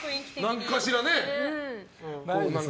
何かしらね。